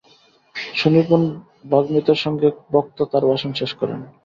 সুনিপুণ বাগ্মিতার সঙ্গে বক্তা তাঁর ভাষণ শেষ করেন।